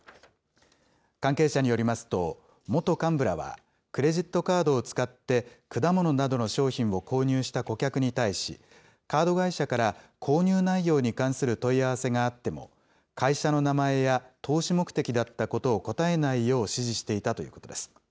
関係者によりますと、元幹部らは、クレジットカードを使って果物などの商品を購入した顧客に対し、カード会社から購入内容に関する問い合わせがあっても、会社の名前や投資目的だったことを答えないよう指示していたということです。